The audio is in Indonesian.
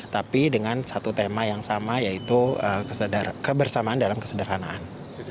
tapi dengan satu tema yang sama yaitu kebersamaan dalam kesederhanaan